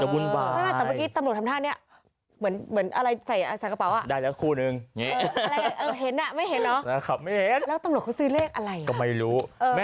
เวลาเห็นกว่าจับตัว